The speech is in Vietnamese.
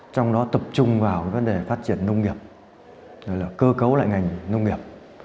trong đó tập trung vào vấn đề phát triển nông nghiệp cơ cấu lại ngành nông nghiệp